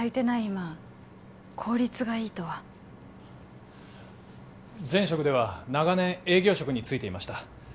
今効率がいいとは前職では長年営業職に就いていました